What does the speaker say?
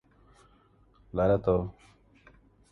Sobolev predicted deposits of diamonds in Eastern Siberia.